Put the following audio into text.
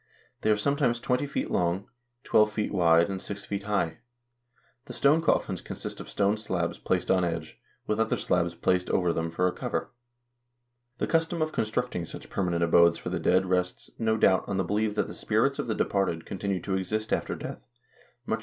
They are sometimes twenty feet long, twelve feet wide, and six feet high. The stone coffins consist of stone slabs placed on edge, with other slabs placed over them for a cover. The custom of constructing such permanent abodes for the dead rests, no doubt, on the belief that the spirits of the departed con SCANDINAVIA IN PREHISTORIC TIMES 11 Fig.